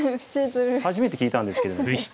初めて聞いたんですけれども。